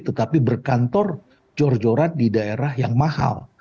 tetapi berkantor jor joran di daerah yang mahal